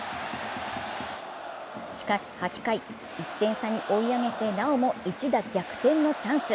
しかし８回、１点差に追い上げてなおも一打逆転のチャンス。